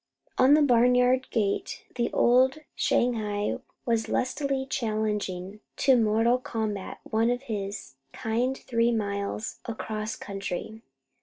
On the barnyard gate the old Shanghai was lustily challenging to mortal combat one of his kind three miles across country.